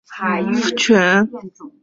理事会授予委员会立法权。